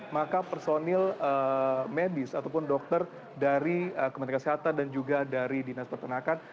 maka personil medis ataupun dokter dari kementerian kesehatan dan juga dari dinas peternakan